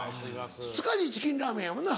塚地チキンラーメンやもんな？